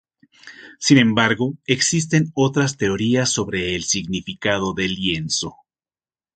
Sin embargo, existen otras teorías sobre el significado del lienzo.